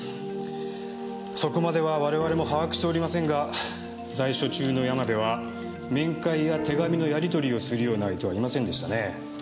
そこまでは我々も把握しておりませんが在所中の山部は面会や手紙のやり取りをするような相手はいませんでしたね。